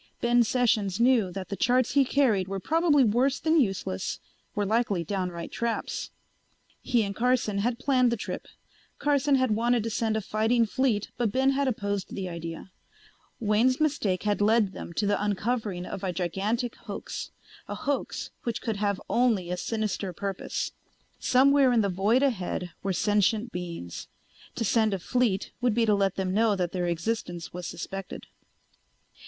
Ben Sessions knew that the charts he carried were probably worse than useless, were likely downright traps. He and Carson had planned the trip. Carson had wanted to send a fighting fleet but Ben had opposed the idea. Wayne's mistake had led them to the uncovering of a gigantic hoax, a hoax which could have only a sinister purpose. Somewhere in the void ahead were sentient beings. To send a fleet would be to let them know that their existence was suspected.